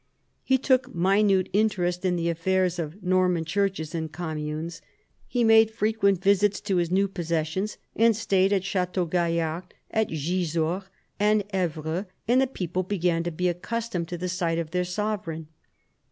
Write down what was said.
He took minute interest in the affairs of Norman churches and communes. He made frequent visits to his new possessions, and stayed at Chateau Gaillard, at Gisors, and Evreux, and the people began to be accustomed to the sight of their sovereign.